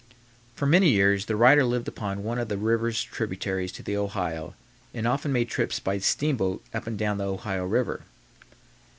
For many years the writer lived upon one of the rivers tributary to the Ohio and often made trips by steamboat up and down the Ohio River.